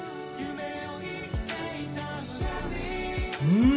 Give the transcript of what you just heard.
うん！